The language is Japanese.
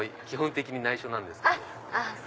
基本的に内緒なんです。